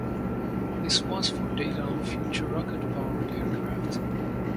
This was for data on future rocket-powered aircraft.